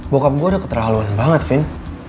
bokap gue udah keterlaluan banget vin